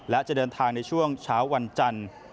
และจะเดินทางในช่วงเช้าวันจันทร์